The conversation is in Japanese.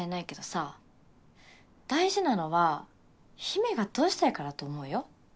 さ大事なのは陽芽がどうしたいかだと思うよ